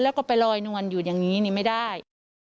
แล้วก็ไปลอยนวลอยู่อย่างนี้นี่ไม่ได้